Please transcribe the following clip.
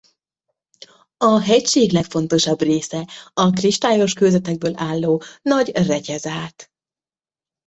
A hegység legfontosabb része a kristályos kőzetekből álló Nagy-Retyezát.